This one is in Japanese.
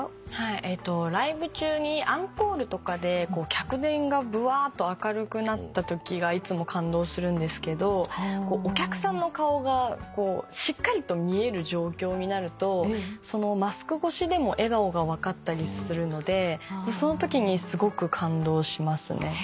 ライブ中にアンコールとかでこう客電がぶわーっと明るくなったときがいつも感動するんですけどお客さんの顔がこうしっかりと見える状況になるとマスク越しでも笑顔が分かったりするのでそのときにすごく感動しますね。